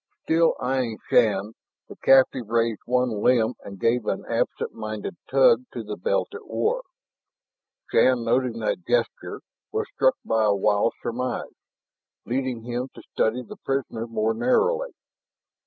Still eying Shann, the captive raised one limb and gave an absent minded tug to the belt it wore. Shann, noting that gesture, was struck by a wild surmise, leading him to study the prisoner more narrowly.